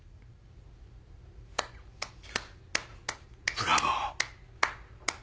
ブラボー。